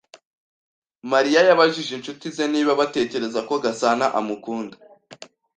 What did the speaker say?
Mariya yabajije inshuti ze niba batekereza ko Gasana amukunda.